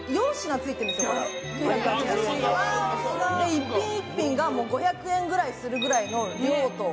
一品一品が５００円ぐらいするぐらいの量とおいしさ。